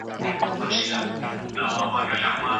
شمعي ته څه مه وایه!